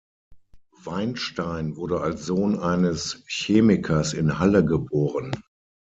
Weinstein wurde als Sohn eines Chemikers in Halle geboren.